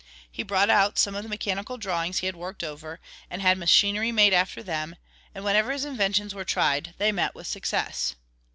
He brought out some of the mechanical drawings he had worked over, and had machinery made after them, and whenever his inventions were tried they met with success.